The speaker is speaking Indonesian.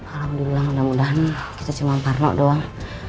alhamdulillah mudah mudahan kita cuma parno doang